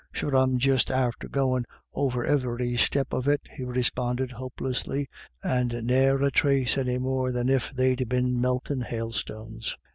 " Sure I'm just after goin' over ivery step of it," he responded, hopelessly, " and ne'er a trace any more than if they'd been meltin' hailstones.